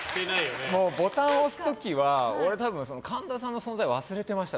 ボタンを押す時は僕、神田さんの存在忘れてました、